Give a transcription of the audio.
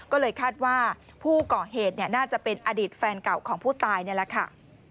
ก็เลยคาดว่าผู้ก่อเหตุน่าจะเป็นอดีตแฟนเก่าของผู้ตายนี่แหละค่ะ